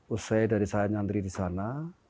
usai dari saya nyantri di sana